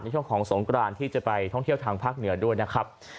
ช่วงของสงกรานที่จะไปท่องเที่ยวทางภาคเหนือด้วยนะครับ